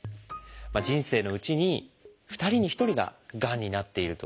人生のうちに２人に１人ががんになっていると。